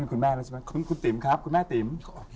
คุณแม่แล้วใช่ไหมคุณติ๋มครับคุณแม่ติ๋ม